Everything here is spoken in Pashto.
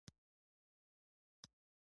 • لمر د تودوخې ښه منبع ده.